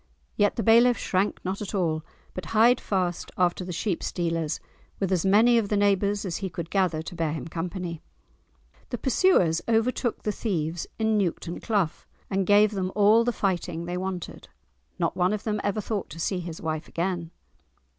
Yet the bailiff shrank not at all, but hied fast after the sheep stealers, with as many of the neighbours as he could gather to bear him company. The pursuers overtook the thieves in Nuketon Cleugh, and gave them all the fighting they wanted. Not one of them ever thought to see his wife again.